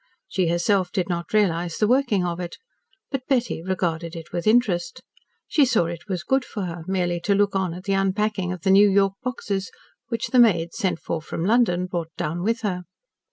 She herself did not realise the working of it. But Betty regarded it with interest. She saw it was good for her, merely to look on at the unpacking of the New York boxes, which the maid, sent for from London, brought down with her.